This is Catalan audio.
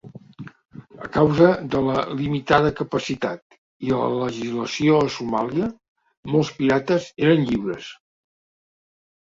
A causa de la limitada capacitat i la legislació a Somàlia, molts pirates eren lliures.